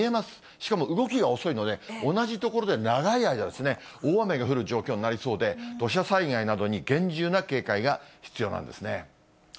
しかも動きが遅いので、同じ所で長い間、大雨が降る状況になりそうで、土砂災害などに厳重な警戒が必要なんですね。